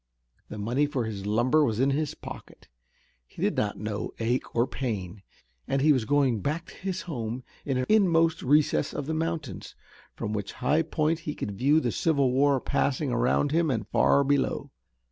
The money for his lumber was in his pocket, he did not know ache or pain, and he was going back to his home in an inmost recess of the mountains, from which high point he could view the civil war passing around him and far below.